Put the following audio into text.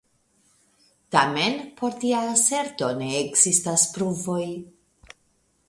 Tamen por tia aserto ne ekzistas pruvoj.